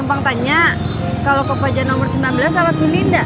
bang tanya kalau kopo aja nomor sembilan belas lewat suninda